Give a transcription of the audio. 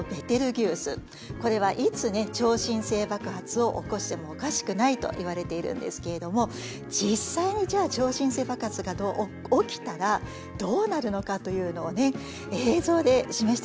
これはいつね超新星爆発を起こしてもおかしくないといわれているんですけれども実際にじゃあ超新星爆発が起きたらどうなるのかというのをね映像で示してくれています。